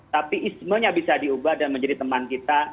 tapi ismenya bisa diubah dan menjadi teman kita